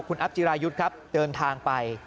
คุณอัพจิรายุทธ์ครับเดินทางไป